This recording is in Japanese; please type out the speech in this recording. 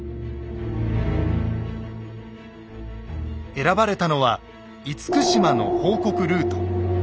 選ばれたのは「厳島」の報告ルート。